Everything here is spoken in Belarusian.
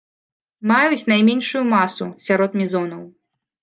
Маюць найменшую масу сярод мезонаў.